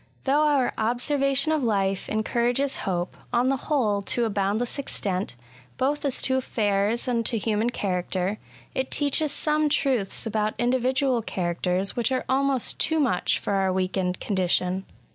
Though our observation of life encourages hope, on the whole, to a boundless extent, both as 184 ESSAYS. to affairs and to human character^ it teaches some truths about isdiyidual characters which are almost too much for our weakened condition.